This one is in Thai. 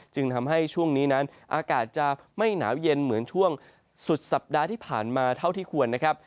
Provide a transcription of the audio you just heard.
จึงทำให้ช่วงนี้นั้นอากาศจะไม่หนาวเย็นเหมือนช่วงสุดสัปดาห์ที่ผ่านมาเท่าที่ควรนะครับ